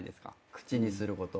口にすること。